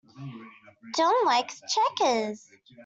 John likes checkers.